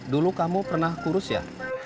dulu kamu pernah kurus ya